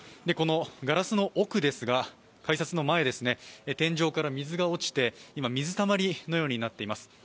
このガラスの奥ですが、改札の前ですね、天井から水が落ちて、今水たまりのようになっています。